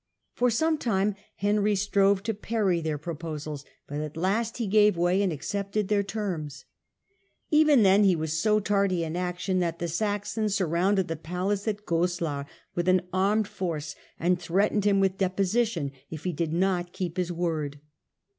Fo? some time Henry strove to parry their proposals, but at last he gave way and accepted their terms. Even then he was so tardy in action that the Saxons sur rounded the palace at Goslar with an armed force, and ' threatened him with deposition if he did not keep his word.